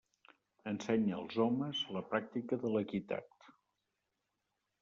Ensenya als homes la pràctica de l'equitat.